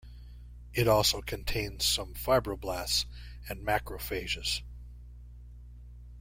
It also contains some fibroblasts and macrophages.